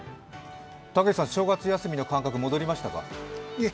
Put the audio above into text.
たけしさん、正月休みの感覚戻りましたか。